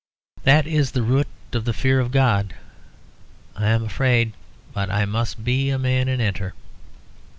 That is the root of the fear of God. I am afraid. But I must be a man and enter."